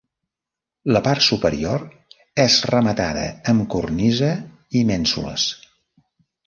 La part superior és rematada amb cornisa i mènsules.